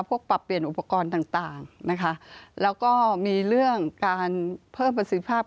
ปรับเปลี่ยนอุปกรณ์ต่างต่างนะคะแล้วก็มีเรื่องการเพิ่มประสิทธิภาพ